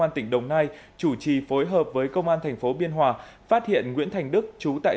an tỉnh đồng nai chủ trì phối hợp với công an thành phố biên hòa phát hiện nguyễn thành đức trú tại